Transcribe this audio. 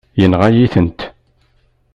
Yenɣa-yi-tent.